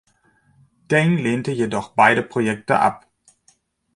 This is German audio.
Deng lehnte jedoch beide Projekte ab.